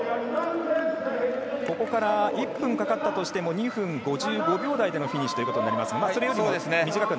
ここから１分かかったとしても２分５５秒台でのフィニッシュとなります。